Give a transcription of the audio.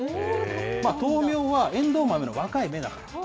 豆苗は、えんどう豆の若い芽。